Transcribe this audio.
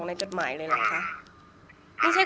คุณพ่อได้จดหมายมาที่บ้าน